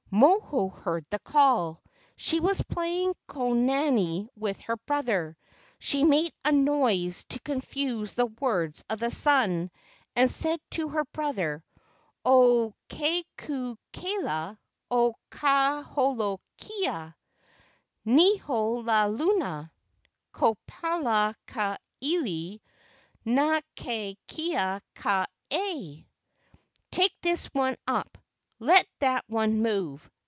Moho heard the call. She was playing konane with her brother. She made a noise to confuse the words of the sun, and said to her brother, KE AU NINI 195 "0 ke ku kela, o ka holo keia. Niole ka luna, kopala ka ele, na ke kea ka ai." "Take this one up. Let that one move.